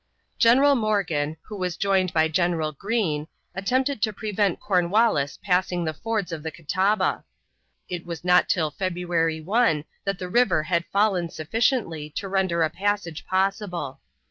General Morgan, who was joined by General Greene, attempted to prevent Cornwallis passing the fords of the Catawba. It was not till February 1 that the river had fallen sufficiently to render a passage possible.